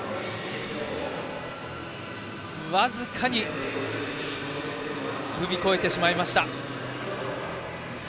僅かに踏み越えてしまいました。